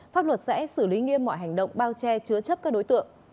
pháp luật sẽ xử lý nghiêm mọi hành động bao che chứa chấp các đối tượng